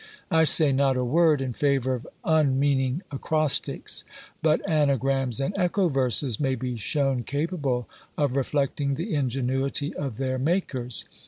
I say not a word in favour of unmeaning ACROSTICS; but ANAGRAMS and ECHO VERSES may be shown capable of reflecting the ingenuity of their makers.